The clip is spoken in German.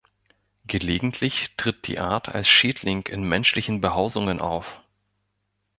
Gelegentlich tritt die Art als Schädling in menschlichen Behausungen auf.